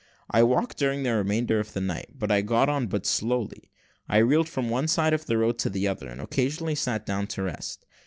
I walked during the remainder of the night, but I got on but slowly. I reeled from one side of the road to the other, and occasionally sat down to rest.